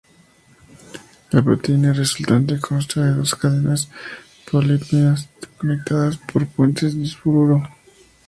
La proteína resultante consta de dos cadenas polipeptídicas conectadas por puentes disulfuro.